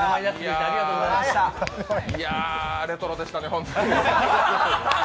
いや、レトロでしたね、本当に。